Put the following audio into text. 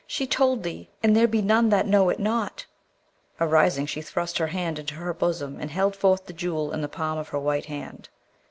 She told thee, and there be none that know it not!' Arising, she thrust her hand into her bosom, and held forth the Jewel in the palm of her white hand.